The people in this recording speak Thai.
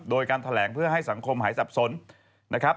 โดยการแถลงเพื่อให้สังคมหายสับสนนะครับ